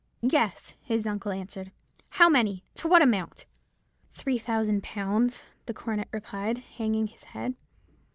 "'Yes,' his uncle answered; 'how many—to what amount?" "'Three thousand pounds,' the cornet replied, hanging his head.